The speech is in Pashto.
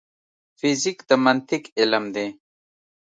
فزیک د منطق علم دی